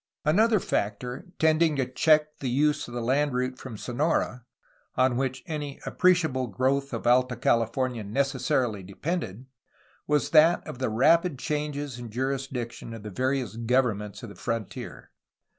Another factor tending to check the use of the land route from Sonora, on which any appreciable growth of Alta Cali fornia necessarily depended, was that of the rapid changes in jurisdiction of the various governments of the frontier.